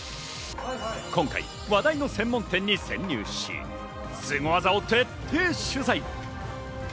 今回、話題の専門店に潜入し、スゴ技を徹底取材。